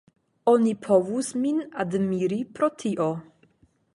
Oni povus min admiri pro tio.